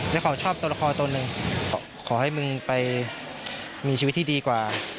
แล้วเขาชอบตัวละครตัวหนึ่งขอให้มึงไปมีชีวิตที่ดีกว่า